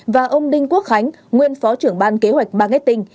và ông đinh quốc khánh nguyên phó trưởng ban kế hoạch marketing